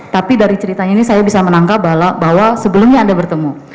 tapi dari ceritanya ini saya bisa menangkap bahwa sebelumnya anda bertemu